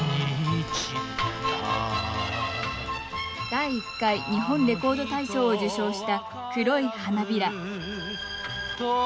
第一回日本レコード大賞を受賞した「黒い花びら」